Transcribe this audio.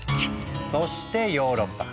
そしてヨーロッパ。